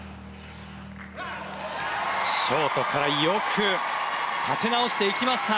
ショートからよく立て直していきました。